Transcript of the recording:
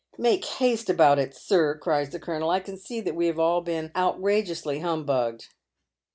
" Make haste about it, sir," cries the colonel. I can see that we have all been outrageously humbugged."